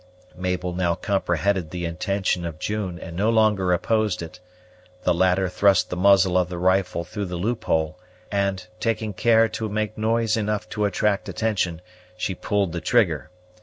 Mabel now comprehended the intention of June, and no longer opposed it. The latter thrust the muzzle of the rifle through the loophole; and, taking care to make noise enough to attract attraction, she pulled the trigger.